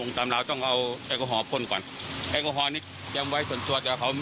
เขามีแจกให้แล้วก็ใส่แม่ตลอดเวลา